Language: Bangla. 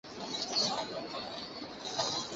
এর পর থেকে তার শরীরের অবনতি ঘটে।